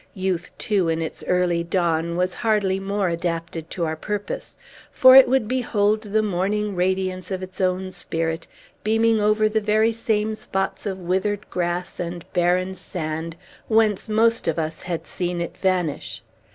Youth, too, in its early dawn, was hardly more adapted to our purpose; for it would behold the morning radiance of its own spirit beaming over the very same spots of withered grass and barren sand whence most of us had seen it vanish.